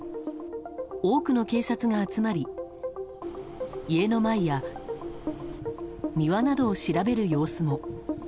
多くの警察が集まり家の前や庭などを調べる様子も。